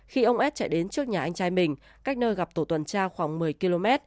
khi ông ad chạy đến trước nhà anh trai mình cách nơi gặp tổ tuần tra khoảng một mươi km